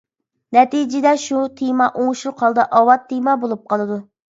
نەتىجىدە شۇ تېما ئوڭۇشلۇق ھالدا ئاۋات تېما بولۇپ قالىدۇ.